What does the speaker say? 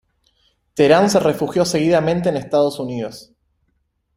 Terán se refugió seguidamente en Estados Unidos.